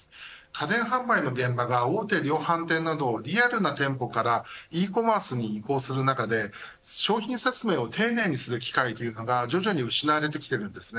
家電販売の現場が大手量販店などリアルな店舗からＥコマースに移行する中で商品説明を丁寧にする機会が徐々に失われてきています。